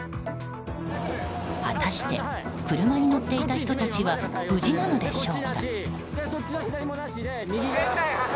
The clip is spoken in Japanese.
果たして車に乗っていた人たちは無事なのでしょうか。